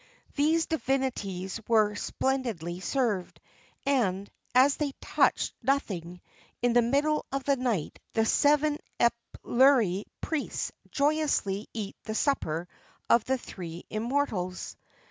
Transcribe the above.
These divinities were splendidly served, and, as they touched nothing, in the middle of the night the seven epulary priests joyously eat the supper of the three immortals.